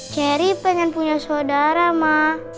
cherry pengen punya saudara mak